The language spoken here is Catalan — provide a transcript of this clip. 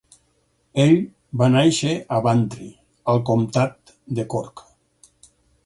Ell va néixer a Bantry, al comtat de Cork.